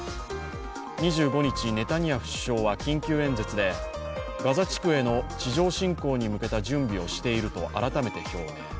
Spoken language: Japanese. ２５日、ネタニヤフ首相は緊急演説で、ガザ地区への地上侵攻に向けた準備をしていると改めて表明。